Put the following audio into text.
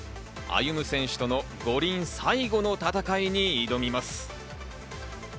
歩夢選手との五輪最後の戦いに挑みます。